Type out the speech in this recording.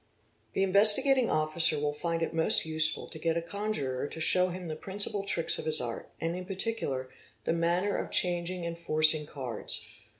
The Investigating Officer will find it most useful to get a conjuror to show him the principal tricks of his art, and, in particular, the manner of changing and forcing cards.